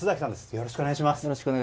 よろしくお願いします。